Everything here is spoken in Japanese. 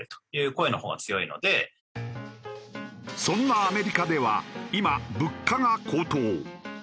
そんなアメリカでは今物価が高騰。